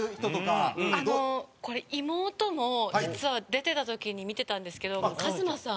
広瀬：これ、妹のを実は出てた時に見てたんですけどＫＡＺＭＡさん。